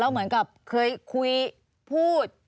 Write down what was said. เหมือนกับเคยคุยพูด